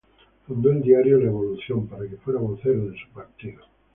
Fundó el diario "La Evolución" para que fuera vocero de su partido.